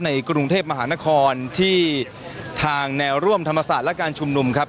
ในกรุงเทพมหานครที่ทางแนวร่วมธรรมศาสตร์และการชุมนุมครับ